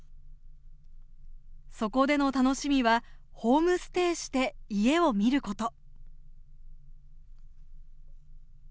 そこでの楽しみはホームステイして家を見ること。